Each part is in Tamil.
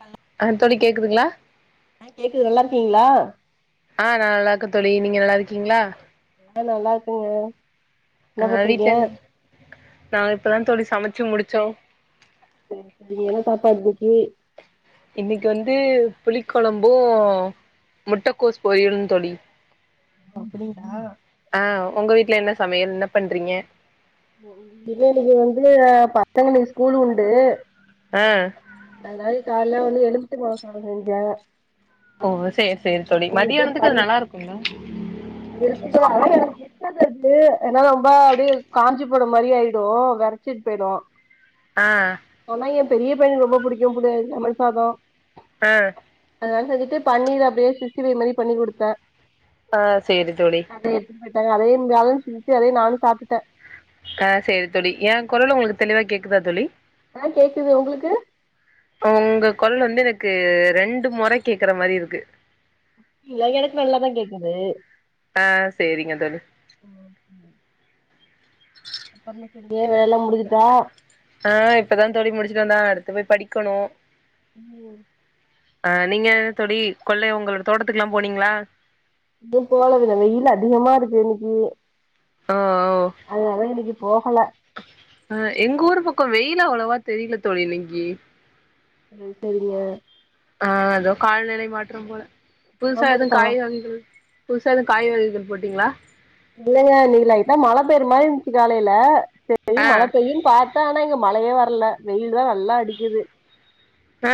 பல்ல ஆ தோழி கேக்குதுங்களா ஆ கேக்குது நல்லா இருக்கீங்களா ஆ நா நல்லா இருக்கே தோழி நீங்க நல்லா இருக்கீங்களா நா நல்லா இருக்கேங்க என்ன பண்றீங்க நா இப்பதா தோழி சமைச்சு முடிச்சோ சேரி சேரிங்க என்னா சாப்பாடு இன்னக்கி இன்னக்கி வந்து புளி கொழம்பு முட்டக்கோஸ் பொறியலு தோழி அப்டிங்களா ஆ உங்க வீட்ல என்ன சமையல் என்ன பண்றீங்க இல்ல இன்னக்கி வந்து பசங்களுக்கு ஸ்கூல் உண்டு ஆ அதனால காலேலயே வந்து எலுமிச்ச பழ சாதோ செஞ்சே ஓ சேரி சேரி தோழி செஞ்சுட்டு மதியானத்துக்கு பன் அது நல்லா இருக்குங்களா இருக்குது ஆனா எனக்கு பிடிக்காது அது ஏன்னா ரொம்ப அப்டியே காஞ்சி போன மாரி ஆயி டு வெறச்சிட் போயிடு ஆ ஆனா ஏ பெரிய பையன்க்கு ரொம்ப புடிக்கு புளி லெமன் சாதோ ஆ அதனால செஞ்சிட்டு பன்னீர் அப்டியே சிக்ஸ்டி ஃபைவ் மாதி பண்ணி குடுத்தே ஆ சேரி தோழி அத எடுத்துட்டு போய்ட்டாங்க அதயே அதயே இருந்துச்சி அதயே நானு சாப்ட்டுட்டே ஆ சேரி தோழி ஏ குரல் உங்களுக்கு தெளிவா கேக்குதா தோழி ஆ கேக்குது உங்களுக்கு உங்க கொரல் வந்து எனக்கு ரெண்டு மொற கேக்குற மாரி இருக்கு இல்ல எனக்கு நல்லா தா கேக்குது ஆ சேரிங்க தோழி [inaudible] இப்ப உள்ள சண்டே வேல முடிஞ்சுதா ஆ இப்பதான் தோழி முடிச்சுட்டு வந்தே அடுத்து போய் படிக்கணு இன்னு அ நீங்க தோழி கொள்ளைய உங்களோட தோட்டத்துக்குல்லா போனீங்களா இன்னு போல கொஞ்ச வெயில் அதிகமா இருக்கு இன்னிக்கி ஆ ஆ அதனால இன்னிக்கு போகல அ எங்க ஊரு பக்கொ வெயில் அவ்வளவா தெரியில தோழி இன்னைக்கு ம் சரிங்க ஆ ஏதோ கால்நிலை மாற்றம் போல புதுசா எதுவு ஆமாங்கக்கா காய் வகைகள் புதுசா எதுவு காய் வெதைகள் போட்டீங்களா இல்லங்க இன்னிக்கு லைட்டா மழ பெய்ற மாரி இருந்ச்சு காலையில சேரி ஆ மழைபெய்யுன் பாத் தா ஆனா இங்க மழையே வர்ல வெயில் தா நல்லா அடிக்குது ஹ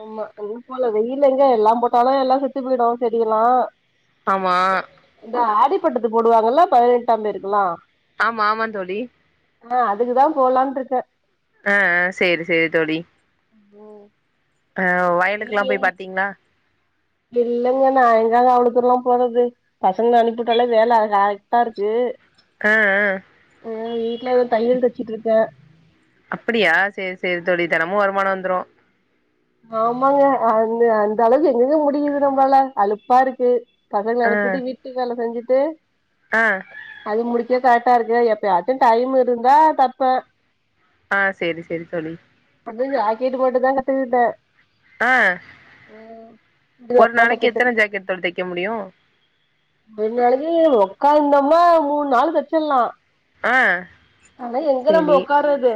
ஆமா இன்னு போல வெயில் எங்க எல்லா போட்டாலு எல்லாருமே செத்து போயிடும் செடி எல்லா ஆமா இந்த ஆதிப்பட்டட்டத்து போடுவாங்கல்ல பதினெட்டாம் தேதிக்குமா ஆமா ஆமா தோழி ஆ அதுக்குதா போலான்ட்டு இருக்கே ஆ ஆ ஹ சேரி சேரி தோழி ஓ அ வயலுக்கலா போய் பாத்தீங்களா இல்லங்க நா எங்கங்க அவ்ள தூரலா போறது பசங்கள அனுப்பி உட்டாலே வேல ஹா க்கா இருக்கு ஆ ஆ ம் வீட்ல ஒரு தையல் தச்சிட்ருக்கே அப்டியா சேரி சேரி தோழி தெனமு வருமானோ வந்துரு ஆமாங்க அந்த அந்த அளவுக்கு எங்கங்க முடியுது நம்ளாள அழுப்பா இருக்கு பசங்கள ஆ அனுப்பிட்டு வீட்டு வேல செஞ்சுட்டு ஆ அது முடிக்கவே கரெக்டா இருக்கு எப்பயாச்சு டைம் இருந்தா தப்பே ஆ சேரி சேரி தோழி அங்கயு ஜாக்கெட்டு மட்டுதா கத்துகிட்டே ஆ ஒரு இதுக்கப்புறமா தைக்க நாளைக்கு தெரி எத்தன ஜாக்கெட் தோழி தெக்க முடியு முஞ்ச அளவு ஒக்காந்தோம்மா மூணு நாள் தச்சிட்லா ஆ ஆனா எங்க நம்ம சேரி ஒக்காறது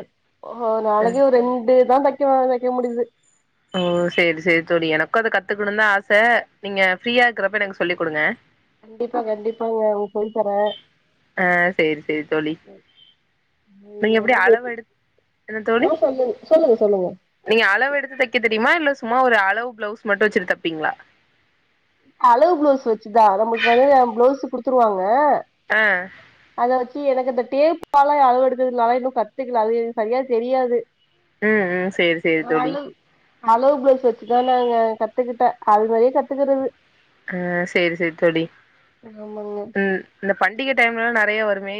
ஒரு அ நாளைக்கு ஒரு ரெண்டு தா தெக் ஸ்லோவா தெக்க முடியுது ஓ சேரி சேரி தோழி எனக்கு அத கத்துக்கணு தா ஆச நீங்க ஃப்ரீயா இருக்குறப்ப எனக்கு சொல்லிக் குடுங்க கண்டிப்பா கண்டிப்பாங்க உங்களுக்கு சொல்லி தரே ஆ சேரி சேரி தோ என்ன அளவு தோழி எடுத் என்ன தோழி ஆ சொல்லுங் சொல்லுங்க சொல்லுங்க நீங்க அளவெடுத்து தெக்க தெரிமா இல்ல சும்மா ஒரு அளவு பிளவுஸ் மட்டு வச்எசுட்டு தப்பீங்ளா அளவு ப்ளவுஸ் வச்சுதா நம்மளுக்கு வந்து ப்ளவுஸு குடுத்துருவாங்க ஆ அத வச்சி எனக்கு அந்த டேப்பாலா அளவு எடுக்குறது நா லா இன்னு கத்துக்ல அது எனக்கு சரியா தெரியாது ம் ம் சேரி சேரி தோழி அளவு அளவு ப்ளவுஸ் வச்சுதா நாங்க கத்துக்கிட்டே அது மாரியே கத்துக்கிறது ஆ சேரி சேரி தோழி ஆமாங்க ம் இந்த பண்டிக டைம்லலா நெறைய வருமே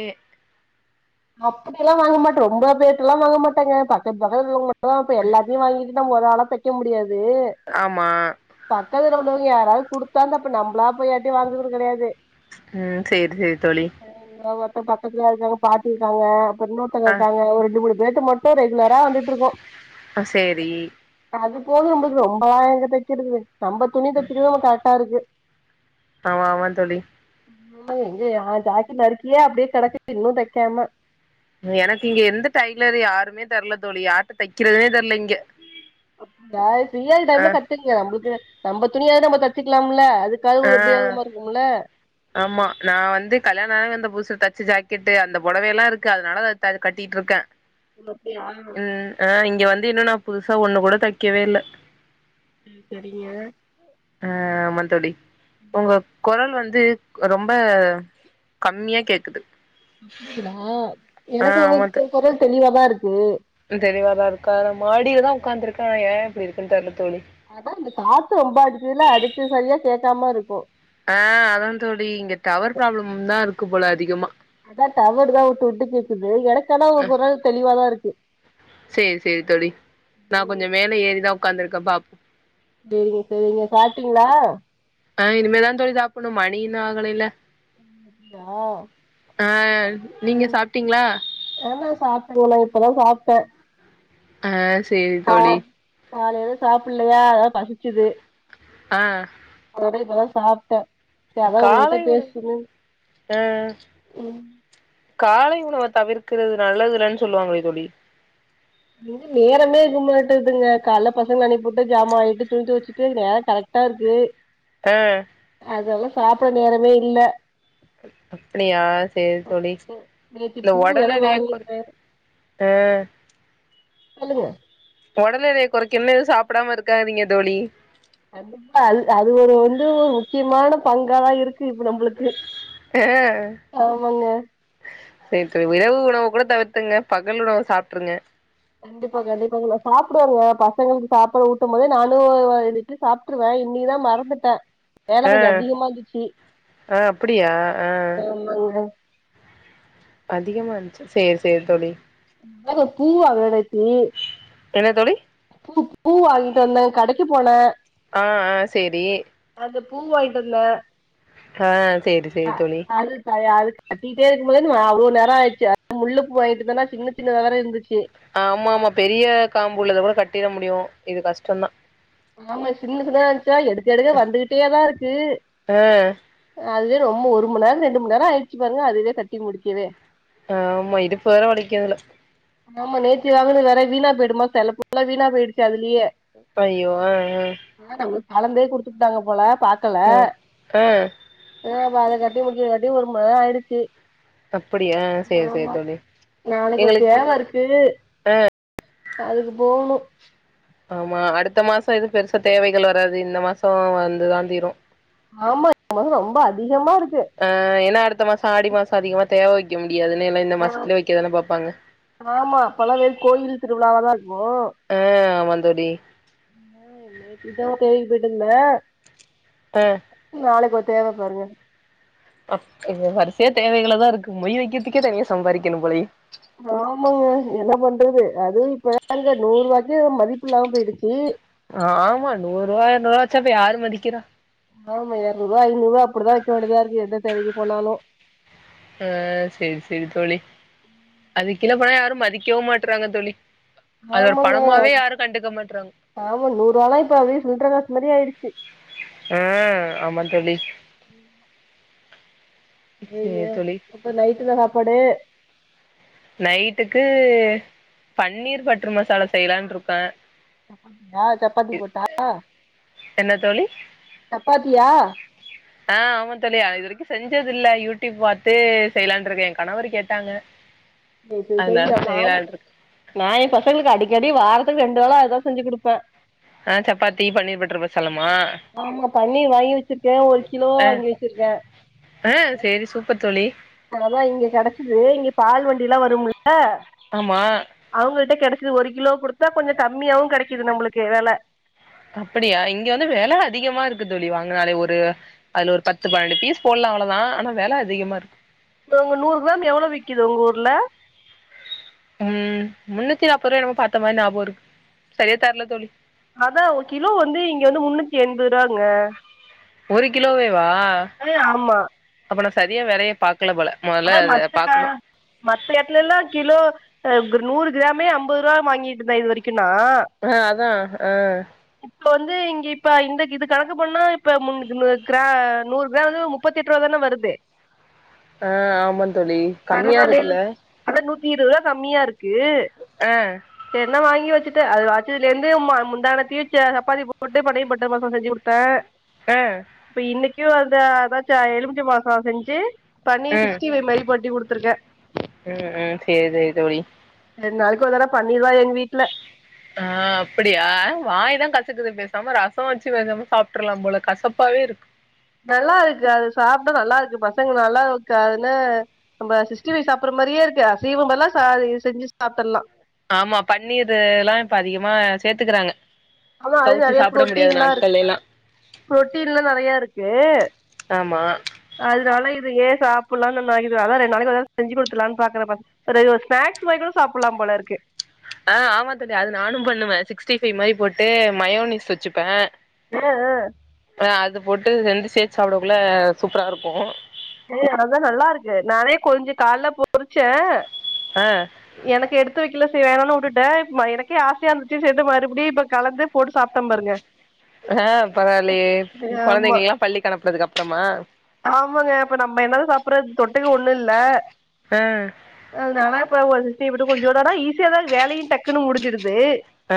அப்டியெல்லா வாங்க மாட்டே ரொம்ப பேர்ட்டெல்லா வாங்க மாட்டேங்க பக்கத்து பக்கத்துல உள்ளவங்க மட்டு தா வெப்பே எல்லார்ட்டயு வாங்கிட்டு நம்ம ஒரு ஆளா தைக்க முடியாது ஆமா பக்கத்துல உள்ளவங்க யாராது குடுத்தா தைப்ப நம்ளா போய் யார்ட்டயு வாங்குறது கெடயாது ம் சேரி சேரி தோழி இங்க ஒருத்த பக்கத்துலயா இருக்காங்க பாட்டி இருக்காங்க அப்றோ இன்னொருதோங்க ஆ இருக்காங்க ஒரு ரெண்டு மூணு ரேட்டு மட்டு ரெகுலரா வந்துட்ருக்கோ சேரி அது போது நம்ளுக்கு ரொம்பலா எங்க தெக்கிறது நம்ம துணி தெக்கிறதே நமக்கு கரெக்டாருக்கு ஆமா ஆமா தோழி ம் எங்கயா ஜாக்கெட் நறுக்கியே அப்டியே கெடக்கு இன்னு தெக்காம எனக்கு இங்க எந்த டெய்லரு யாருமே தெர்ல தோழி யார்ட்ட தெக்கிறதுனே தெர்ல இங்க அப்டியா ஃபீரியா இருக்க ஆ டைம்ல கத்துக்ங்க நம்ளுக்கு நம்ப துணியாது நம்ப தச்சுக்லாம்ல அது ஆ காவ்து உபயோகமா இருக்குமுல ஆமா நா வந்து கல்யாணாயி வந்த புதுசுல தச்ச ஜாக்கெட்டு அந்த பொடவயெல்லாருக்கு அதனால அ த அது கட்டிட்ருக்கே [unintelligible] ம் ஆ இங்க வந்து இன்னு நா புதுசா ஒண்ணு கூட தைக்கவே இல்ல ம் செரிங்க ஆமாந்தோழி ஒங்க கொரல் வந்து ரொம்ப கம்மியா கேக்குது அப்டிங்களா ஆ எனக்கு ஒங்க கொரல் தெளிவாதாருக்கு தெளிவாதாருக்கா நா மாடில தா உக்காந்துருக்கே ஆனா ஏ இப்டி இருக்குன் தெர்ல தோழி அதா இந்த காத்து ரொம்ப அடிக்கிதில்ல அதுக்கு சரியா கேட்காமருக்கூ ஆ அதா தோழி இங்க டவர் ப்ராப்ளம் தா இருக்கு போல அதிகமா அதா டவருதா வுட்டு வுட்டு கேக்குது எனக்கானா உங்க ஆ கொரல் தெளிவாதாருக்கு சேரி சேரி தோழி நா ம் கொஞ்சோ மேல ஏறிதா உக்காந்துருக்க பாப்போ செரிங்க செரிங்க சாப்பிட்டீங்ளா ஆ இனிமேதா தோழி சாப்புணு மணி இன்னு ஆகலல்ல ஆ ஆ நீங்க ம் சாப்ட்டிங்ளா ஆமா சாப்ட்டங்க நா இப்பதா சாப்ட்ட ஆ சேரி தோழி காலைல சாப்புல்லயா அதா பசிச்சிது ஆ அதனால இப்பதா சாப்ட்ட அதா உங்கள்ட்ட காலை உணவு பேசணு ஆ ம் காலை உணவ தவிர்க்கிறது நல்லது இல்லன் சொல்வாங்களே தோழி நேரமே இருக்க மாட்டுதுங்க காலைல பசங்கள அனுப்பிவுட்டு ஜாமா வெளக்கிட்டு துணி தொவச்சிட்டு நேரோ கரெக் டாருக்கு ஆ அதெல்லா சாப்ட நேரமே இல்ல அப்டியா சேரி தோழி நே- நேத்து இல்ல பூ வேற ஒடலெடைய கொறக் வாங்கியிருந்தே ஆ சொல்லுங்க ஒடலடய கொறைக்கனுனு எது சாப்டாம இருக்காதீங்க தோழி கண்டிப்பா அது அது ஒரு வந்து ஒரு முக்கியமான பங்காதா இருக்கு பிலிப்பு நம்பளுக்கு ஆமாங்க செரி தோழி இரவு உணவ கூட தவிர்த்திடுங்க பகல் உணவ சாப்ட்டுருங்க கண்டிப்பா கண்டிப்பா நா சாப்டுவங்க பசங்களுக்கு சாப்பாடு ஊட்டு போதே நானு சாப்ட்ருவ இன்னிக்குதா மறந்துட்ட வேல ஆ கொஞ்சோ அதிகமா இருந்துச்சி ஆ அப்டியா ஆ அதிகமா இருந்துச்சா சேரி சேரி தோழி அது பூவா வேலைக்கி என்ன தோழி பூ பூ வாங்கிட்டு வந்தே கடைக்கு போன ஆ ஆ செரி அது பூ வாங்கிட்டு வந்த ஆ சேரி சேரி அ தோழி அது தயா அதுக்கு கட்டிக்கிட்டே இருக்குபோது வந்து அவ்ளோ நேரோ ஆயிடிச்சு அத முல்ல பூ வாங்கிட்டு வந்ததனா சின்ன சின்னதா வேற இருந்துச்சு ஆமாமா பெரிய காம்பு உள்ளத கூட கட்டிட முடியு இது கஷ்டந்தா ஆமா சின்ன சின்னதா இருஞ்ச்சா எடுக்க எடுக்க வந்துகிட்டேதா இருக்கு ஆ அதுவே ரொம்ப ஒரு மணிநேரோ ரெண்டு மணி நேரோ ஆயிடிச்சி பாருங்க அதுவே கட்டி முடிக்கவே ம் ஆமா இடுப்ப வேற வலிக்கு இதுல ஆமா நேத்தி வாங்கினது வேற வீணா போயிடுமா தெர்ல சிலப் பூலா வீணா போயிடுச்சு அதுலயே ஐயோ அ அ மேடம் கலந்தே குடுத்துபுட்டாங்க போல பாக்கல ஆ ஆ ஆ அப்ப அத கட்டி முடிக்கவே ஒரு மணி நேரோ ஆயிடுச்சி அப்டியா சேரி சேரி தோழி எங்களுக் தேவ இருக்கு அதுக்கு போவுனு ஆமா அடுத்த மாசோ எது பெருசா தேவைகள் வராது இந்த மாசோ வந்துதா தீரு ஆமா ரொம்ப அதிகமா இருக்கு ஆ ஏனா அடுத்த மாசோ ஆடி மாசம் அதிகமா தேவை வைக்க முடியாதுன்னு எல்லா இந்த ஆ மாசத்துலேயே வைக்கதான பாப்பாங்க ஆமா அப்பல்லா வெறு கோயில் திருவிழாவாதா இருக்கு ஆ ஆமாந் தோழி ஆ நேத்திதா ஒரு தேவைக்கு போயிட்டு வந்த அ நாளைக்கு ஒரு தேவ பாருங்க அக் இது வரிசையா தேவைகளாதா இருக்கு மொய் வைக்கிறதுக்கே தனியா சம்பாதிக்கணு போலயே ஆமாங்க என்ன பண்றது அதுவும் இப்ப ஏங்க நூறுபாய்க்கு மதிப்பில்லாம போய்டுச்சு ஆமா நூறுவா எறனூருவா வச்சா இப்ப யாரு மதிக்கிறா ஆமா எரனூறுவா ஐநூறுவா அப்டிதா வக்க வேண்டியதா இருக்கு எந்த தேவைக்கு போனாலு ஆ சரி சரி தோழி அதுகில போனா யாரு மதிக்கவு மாட்றாங்க தோழி அது ஒரு ஆமாங்க பணமாவே யாரு கண்டுக்க மாட்றாங்க ஆமா நூறுவால்லா இப்ப அப்டியே சில்ற காசு மாரி ஆய்ருச்சி ஆ ஆமா தோழி ம் சரிங்க சேரி தோழி அப்ப நைட்டென்ன சாப்பாடு நைட்டுக்கு பன்னீர் பட்டுரு மசாலா செய்யலான்று இருக்க ஆ இதப் இ என்ன தோழி சப்பாத்தியா [inaudible] ஆ ஆமா தோழி நா இது வரைக்கும் செஞ்சதுல்ல யூடியூப் பார்த்து செய்யலான்டு இருக்க ஏய கணவர் கேட்டாங்க [unintelligible] அதனால செய்யலான்ருக்கே நா எய பசங்களுக்கு அடிக்கடி வாரத்துக்கு ரெண்டு வேள அதா செஞ்சு கொடுப்ப ஆ சப்பாத்தி பன்னீர் பட்டரு மசாலுமா ஆமா பன்னீர் வாகி வச்சிருக்கே ஒரு கிலோவா ஆ வாங்கி வச்சிருக்கே ஆ சேரி சூப்பர் தோழி அத தா இங்க கெடச்சது இங்க பால் வண்டி எல்லா வருமுல ஆமா அவங்கட்ட கிடைச்சது ஒரு கிலோ கொடுத்தா கொஞ்ச கம்மியாவும் கிடைக்குது நம்மளுக்கு வேல அப்டியா இங்க வந்து வில அதிகமாருக்கு தோழி வாங்குனாலே ஒரு அதுல ஒரு பத்து பன்னெண்டு பீஸ் போடுலா அவ்ளவுதா ஆனா வில அதிகமாருக்கு இப்ப அங்க ஒரு நூறு கிராம் எவ்ளோ விக்குது உங்க ஊர்ல ம் முன்னூத்தி நாற்பது ரூபாயோ பாத்த மாரி ஞாப இருக்கு சரியா தெரல தோழி அதா ஒரு கிலோ வந்து இங்க வந்து முன்னூத்தி எண்பது ரூபாங்க ஒரு கிலோவேவா அ ஆமா அப்ப நா சரியா வேலையே பாக்கல போல அட மொதல்ல அத மத்து க பாக்கணு மத்த எட்டலல கிலோ அ நூறு கிராமே அம்பது ரூபா வாங்கிட்டு இருந்த இது வரைக்கும் நா அ அதா அ இப்ப வந்து இங்க இப்ப இந்த இது கணக்கு பண்ணுனா இப்ப மு ப் கிரா நூறு கிராம் முப் பத்தெட்டு ரூவ தான வருது அ ஆமா தோழி கம்மியா பரவாலில் இருக்குல்ல அதா நூத்தி இருபது ரூபா கம்மியா இருக்கு அ சரி நா வாங்கி வச்சிட்ட அது வச்சத்துல இருந்து [unintelligible] முந்தா நேத்தி வச்ச சப்பாத்தி போட்டு பன்னீர் பட்டர் மசாலா செஞ்சு கொடு த்த அ இப்ப இன்னிக்கு அத அதாச்சா எலுமிச்சி பழ சாத செஞ்சு பன்னீர் சிக்ஸ்ஃடிபை மாறி பண்ணி குடுத்துருக்க ம்ம் சேரி சேரி தோழி ரெண்டு நாளைக்கு ஒரு தடவ பன்னீரு தா எங்க வீட்டுல ஆஹ அப்டியா ஹ வாய் தா கசக்குது பேசாம ரசம் வச்சு பேசாம சாப்டர்லா போல கசப்பாவே இருக்கு நல்லா இருக்கு அது சாப்புட்டா நல்லா இருக்கு பசங்க நல்லாருக்கான்னு நம்ம சிஸ்டி ஃபைவ் சாப்படுற மாரியே இருக்கு அசைவ பத்தில்லா ச செஞ்சி சாப்டர்லா ஆமா பன்னீர் எல்லா இப்ப அதிகமா சேர்த்துக்கறாங்க ஆமா அது நிறையா புரோட்டீன்லா இரு எல்லா புரோட்டீன்லா நெறையா இருக்கு ஆமா அதனால இது ஏ சாப்புலான நாகிதா அதா ரெண்டு நாளைக்கு அத செஞ்சு கொடுத்துலான்னு பாக்குறப்ப ஒரே ஒர் ஸ்நாக்ஸ் வாய்க்கூட சாப்புலா போல இருக்கு ஆ ஆமா தோழி அது நானு பண்ணுவே சிக்ஸ்டி ஃபை மாரி போட்டு மயோனிஸ் வச்சுப்பே ஆ ஆ அ அது போட்டு ரெண்டு சேத்து சாப்டக்குள்ள சூப்பராருக்கு ஏ அததா நல்லாருக்கு நானே கொஞ்சோ கால்லே பொறிச்சே ஆ எனக்கு எடுத்து வெக்கில செரி வேணானு உட்டுட்டே ம எனக்கே ஆசையாருந்துச்சு சேரினுட்டு மறுபடி இப்ப கலந்து போட்டு சாப்ட்டே பாருங்க ஆ பரவால்லியே ஆமா கொழந்தைங்கள்லா பள்ளிக்கு அனுப்புனதுக்கு அப்றமா ஆமாங்க இப்ப நம்ப என்னத சாப்புறது தொட்டுக்க ஒன்னு இல்ல ஆ அதனால இப்ப ஓ சிஸ்ட்டி ஃபை போட்டு கொஞ்சோன்டு ஆனா ஈஸியா தா வேலையு டக்குன்னு முடிச்சுடுது ஆ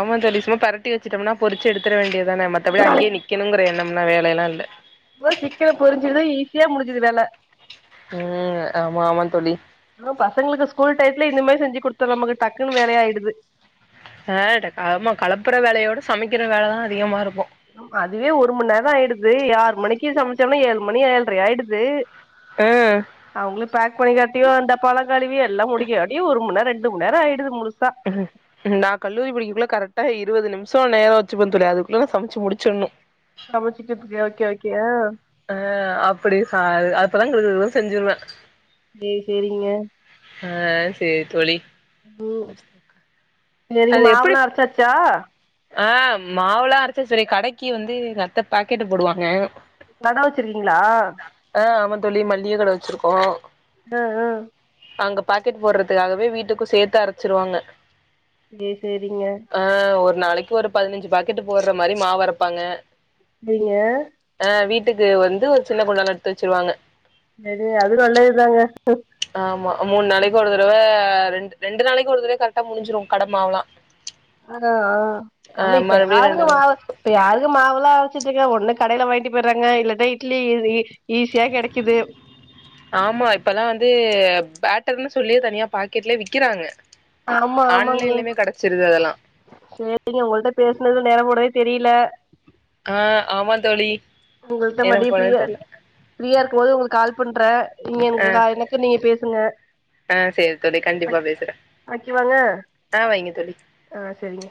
ஆமா தோழி சும்மா பெரட்டி வச்சுட்டம்னா பொறிச்சி எடுத்துர வேண்டிதான மத்தபடி அதனால அங்கே நிக் கினுங்குற என்னம்னா வேலைலா இல்ல வ சீக்கிரோ பொரிஞ்சுடுது ஈஸியா முடிஞ்சிது வேல ஆ ஆமா ஆமா தோழி இன்னு பசங்களுக்கு ஸ்கூல் டயத்துல இந்த மாரி செஞ்சி குடுத்தோ நமக்கு டக்குன்னு வேல ஆயிடுது ஹ ட ஆமா களப்புற வேலையோட சமைக்கிற வேலைதா அதிகமா இருக்கு ஏ இப்ப அதுவே ஒரு மண் நேரோ ஆயிடுது யார் மணிக்கு சமைச்சோம்னா ஏழு மணி ஏழ்ற ஆயிடுது ம் அவுங்குளுக் பேக் பண்ணி கட்டி அந்த டப்பாலா கழுவி எல்லா முடிக்க காட்டியு ஒரு மண் நேரோ ரெண்டு மண் நேரோ ஆய்டுது முழுசா நா கல்லூரி படிக்கக்குள்ள கரெக்டா இருவது நிம்ஷோ நேரோ வச்சிப்ப தோழி அதுக்குள்ள நா சமச்சு முடிச்சிண்ணு சமைச்சிகற்த்துக்கு ஓகே ஓகே அ அ அப்படி [unintelligible] அப்பதா [unintelligible] செஞ்சுருவே சேரி சேரிங்க ஆ சேரி தோழி ம் சரி அது எப்டி மாவுலா அரைச்சாச்சா ஆ மாவுலா அரைச்சாச்சு ஆனா கடைக்கி வந்து எங்கத்த பாக்கெட்டு போடுவாங்க கட வச்சிருக்கிங்களா ஆ ஆமா தோழி மல்லிக கட வச்சிருக்கோ ஆ ஆ அங்க பாக்கெட் போட்றதுக்காகவே வீட்டுக்கு சேத்து அரைச்சிருவாங்க சேரி சேரிங்க ஆ ஒரு நாளைக்கு ஒரு பதினஞ்சி பாக்கெட்டு போட்ற மாரி மாவ் அரைப்பாங்க செரிங்க ஆ வீட்டுக்கு வந்து ஒரு சின்ன குண்டான்ல எடுத்து வச்சிருவாங்க எது [unintelligible] இதாங்க ஆமா மூணு நாளைக் ஒரு தரவ ரெண்டு ரெண்டு நாளைக்கும் ஒரு தரவயே கரெக்டா முடிஞ்சிரு கட மாவ்லா அதா ஆமா இப்ப மறுபடியும் யாருங்க ரெண்டு நாள் மாவு இப்ப யாருங்க மாவுலா அரச்சிட்ருக்கா ஒன்னு கடைல வாங்கிட்டு பேய்றாங்க இல்லனா இட்லி இ ஈஸியா கெடைக்குது ஆமா இப்பல்லா வந்து பேட்டர்ன்னு சொல்லியே தனியா பாக்கெட்லே விக்கிறாங்க ஆமா ஆமாங்க ஆன்லைன்லிமே கெடைச்சிருது அதெல்லா சேரிங்க உங்கள்ட்ட பேஸ்னது நேரம் போனதே தெரில ஆ ஆமா தோழி உங்கள்ட்ட மதிய எனக்கு ஃப்ரீய ஒண்ணும் தெர்ல. ஃப்ரீயா இருக்கும்போது உங்குளுக்கு கால் பண்றே நீங்க ஆ எனக்கு கால் எனக்கு நீங்க பேசுங்க ஆ சரி தொழி கண்டிப்பா பேசுறே ஓகேவாங்க ஆ வைங்க தொழி ஆ சரிங்க